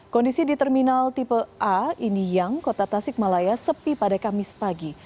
kondisi di terminal tipe a indiang kota tasikmalaya sepi pada kamis pagi